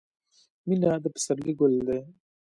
• مینه د پسرلي ګل دی.